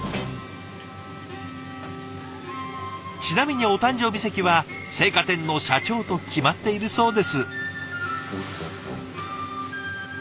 ちなみにお誕生日席は青果店の社長と決まっているそうです。